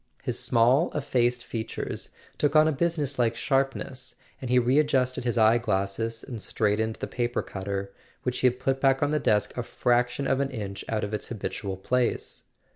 His small effaced features took on a business like sharpness, and he re¬ adjusted his eye glasses and straightened the paper cutter, which he had put back on the desk a fraction of an inch out of its habitual place.